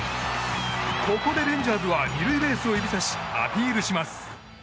ここでレンジャーズは２塁ベースを指さしアピールをします。